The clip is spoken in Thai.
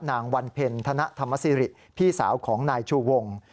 นางวันเพ็ญธนธรรมสิริพี่สาวของนายชูวง